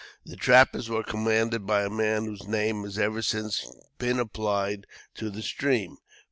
The trappers were commanded by a man whose name has ever since been applied to the stream.